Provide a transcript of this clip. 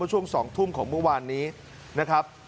ช่วง๒ทุ่มของเมื่อวานนี้นะครับ